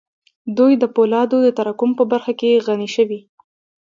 دوی د پولادو د تراکم په برخه کې غني شوې